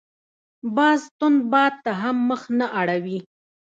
باز تند باد ته هم مخ نه اړوي